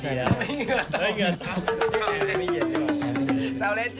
เจ้าเล่น